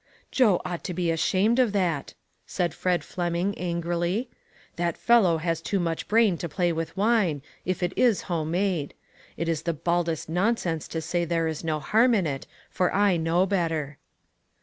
" Jo ought to be ashamed of that," said. Fred Fleming, angrily. " That fellow has too much brain to play with wine, if it is home made. It is the baldest nonsense to say there is no harm in it, for I know better."